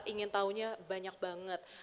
ingin taunya banyak banget